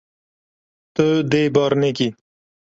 Tu dê bar nekî.